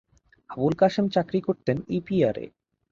আবুল কাশেম চাকরি করতেন ইপিআরে।